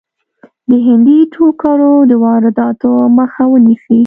د هندي ټوکرو د وادراتو مخه ونیسي.